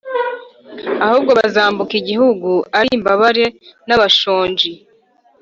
Ahubwo bazambuka igihugu, ari imbabare n’abashonji,